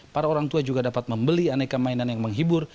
para orang tua juga dapat membeli aneka mainan yang menghibur